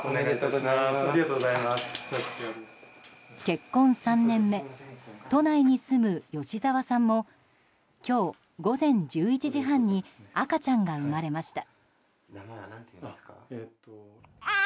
結婚３年目都内に住む吉澤さんも今日午前１１時半に赤ちゃんが生まれました。